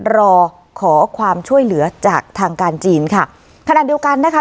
รอขอความช่วยเหลือจากทางการจีนค่ะขณะเดียวกันนะคะ